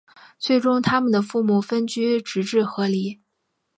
最终他们的父母分居直至和离。